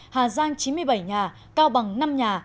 hà giang chín mươi bảy nhà cao bằng năm nhà